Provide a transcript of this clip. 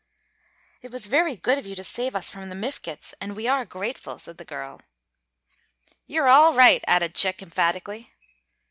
"It was very good of you to save us from the Mifkets, and we are grateful," said the girl. "You're all right!" added Chick, emphatically.